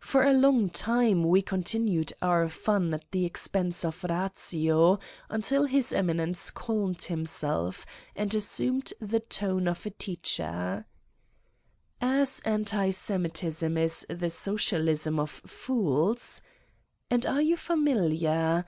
For a long time we continued our fun at the expense of ratio until His Eminence calmed him self and assumed the tone of a teacher: "As anti Semitism is the Socialism of fools ..." "And are you familar